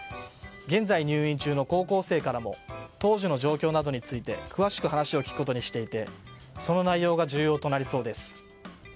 現在、入院中の高校生からも当時の状況などについて詳しく話を聞くことにしていてその内容が重要となりそうです。